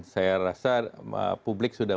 saya rasa publik sudah